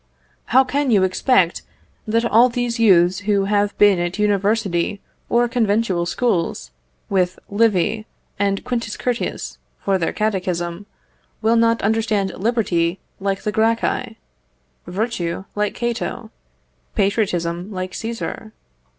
How can you expect that all these youths who have been at university or conventual schools, with Livy and Quintus Curtius for their catechism, will not understand liberty like the Gracchi, virtue like Cato, patriotism like Cæsar?